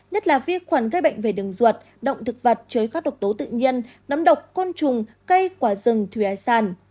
nhất là vi khuẩn gây bệnh về đường ruột động thực vật chới các độc tố tự nhiên nấm độc côn trùng cây quả rừng thủy ái sàn